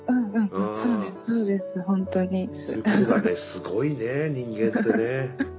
すごいね人間ってね。